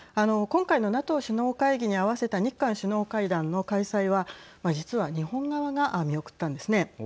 今回のＮＡＴＯ首脳会議に合わせた日韓首脳会談の開催は実は日本側が見送ったんですね。